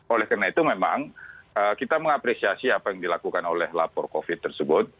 oleh karena itu memang kita mengapresiasi apa yang dilakukan oleh lapor covid tersebut